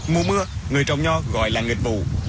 mùa mưa người trồng nho gọi là nghịch vụ